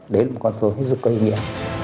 đến một con số rất là có ý nghĩa